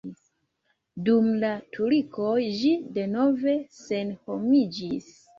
Dum la turkoj ĝi denove senhomiĝis.